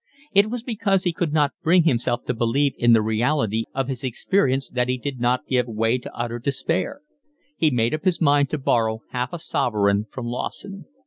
It was because he could not bring himself to believe in the reality of his experience that he did not give way to utter despair. He made up his mind to borrow half a sovereign from Lawson.